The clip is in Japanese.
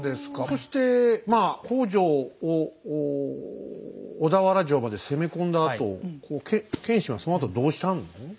そして北条を小田原城まで攻め込んだあと謙信はそのあとどうしたの？